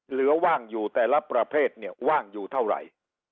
เหลือว่างอยู่แต่ละประเภทว่างอยู่เท่าไร